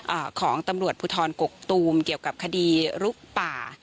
อ่าของตำรวจภูทรกกตูมเกี่ยวกับคดีลุกป่า